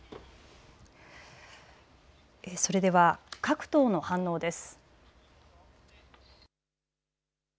それでは各党の反応です。